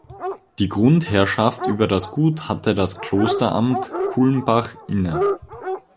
Die Grundherrschaft über das Gut hatte das Klosteramt Kulmbach inne.